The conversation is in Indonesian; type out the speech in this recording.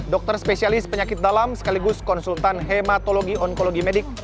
dokter spesialis penyakit dalam sekaligus konsultan hematologi onkologi medik